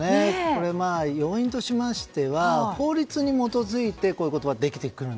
これは要因としましては法律に基づいてこういう言葉ができてきた。